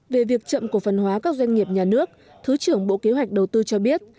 về việc chậm cổ phần hóa các doanh nghiệp nhà nước thứ trưởng bộ kế hoạch đầu tư cho biết